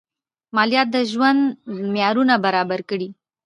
مالیات د ژوند معیارونه برابر کړي.